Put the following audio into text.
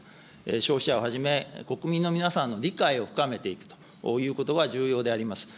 消費者をはじめ、国民の皆さんの理解を深めていくということは重要であります。